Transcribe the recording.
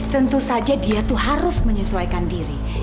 tentu saja dia tuh harus menyesuaikan diri